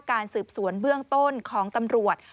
การสืบสวนเบื้องต้นของตำรวจ